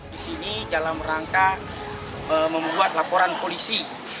di sini dalam rangka membuat laporan polisi